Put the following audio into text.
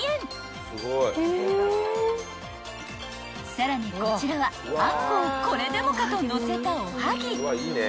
［さらにこちらはあんこをこれでもかとのせたおはぎ］